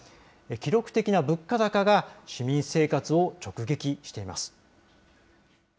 記録的な物価高が市民生活を直撃しています。